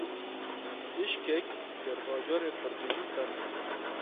Bişkek serbajarê Qirgizistanê ye.